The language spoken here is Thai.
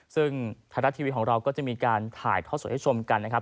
ซึ่งไทยรัฐทีวีของเราก็จะมีการถ่ายทอดสดให้ชมกันนะครับ